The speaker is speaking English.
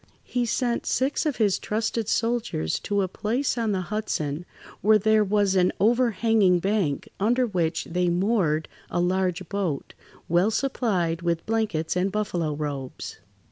He sent six of his trusted soldiers to a place on the Hudson, where there was an overhanging bank under which they moored a large boat, well supplied with blankets and buffalo robes.